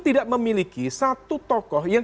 tidak memiliki satu tokoh yang